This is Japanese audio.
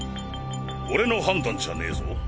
俺の判断じゃねぇぞ。